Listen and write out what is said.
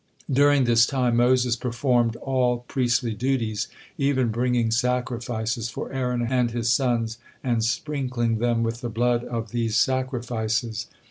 During this time Moses performed all priestly duties, even bringing sacrifices for Aaron and his sons, and sprinkling them with the blood of these sacrifices.